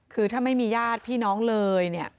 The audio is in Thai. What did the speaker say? คือถ้าไม่มีญาติพี่น้องเลยเนี่ย